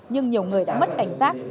nhưng nhiều người đã mất cảnh giác